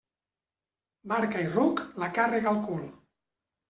Barca i ruc, la càrrega al cul.